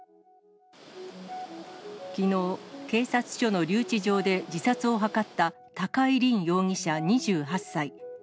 きのう、警察署の留置場で自殺を図った高井凜容疑者２８歳。